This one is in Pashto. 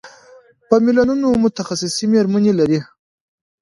په میلیونونو متخصصې مېرمنې لري.